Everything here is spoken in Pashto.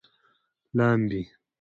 لامبي